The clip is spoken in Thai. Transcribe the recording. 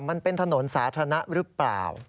มันเป็นถนนสาธารณะหรือเปล่า